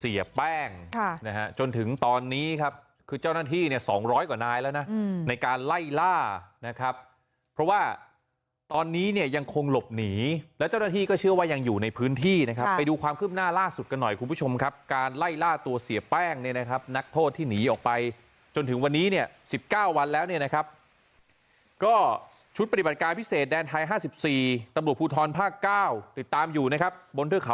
เสียแป้งนะฮะจนถึงตอนนี้ครับคือเจ้าหน้าที่เนี่ยสองร้อยกว่านายแล้วนะในการไล่ล่านะครับเพราะว่าตอนนี้เนี่ยยังคงหลบหนีแล้วเจ้าหน้าที่ก็เชื่อว่ายังอยู่ในพื้นที่นะครับไปดูความขึ้นหน้าล่าสุดกันหน่อยคุณผู้ชมครับการไล่ล่าตัวเสียแป้งเนี่ยนะครับนักโทษที่หนีออกไปจนถึงวันนี้เนี่ยสิบเก้